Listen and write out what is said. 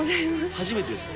初めてですか？